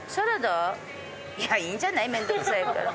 いやいいんじゃない面倒くさいから。